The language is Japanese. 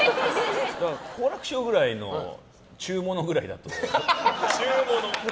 好楽師匠くらいの中物くらいだと。